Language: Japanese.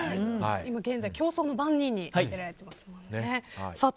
今現在、「競争の番人」に出られてますね。